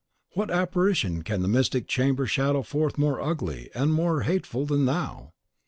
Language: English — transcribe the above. What apparition can the mystic chamber shadow forth more ugly and more hateful than thou?